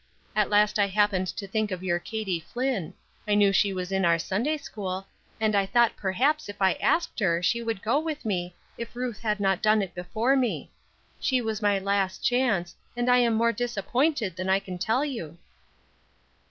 At last I happened to think of your Katie Flinn: I knew she was in our Sunday school, and I thought perhaps if I asked her she would go with me, if Ruth had not done it before me. She was my last chance, and I am more disappointed than I can tell you."